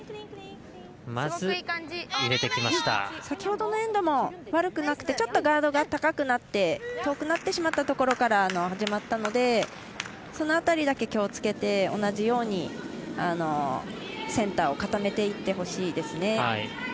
先ほどのエンドも悪くなくてちょっとガードが高くなって遠くなってしまったところから始まったのでその辺りだけ気をつけて同じようにセンターを固めていってほしいですね。